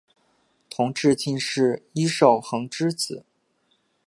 同治进士尹寿衡之子。